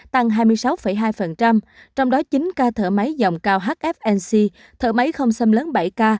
tăng hai mươi sáu hai trong đó chín ca thở máy dòng cao hfnc thở máy không xâm lấn bảy k